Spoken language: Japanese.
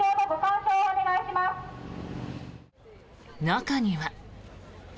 中には。